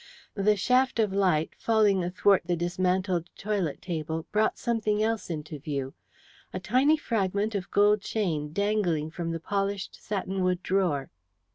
The shaft of light, falling athwart the dismantled toilet table, brought something else into view a tiny fragment of gold chain dangling from the polished satinwood drawer.